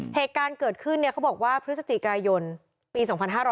เหตุการณ์เกิดขึ้นเขาบอกว่าพฤศจิกายนปี๒๕๕๙